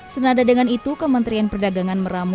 senada dengan itu kementerian perdagangan meramu